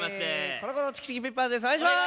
コロコロチキチキペッパーズです。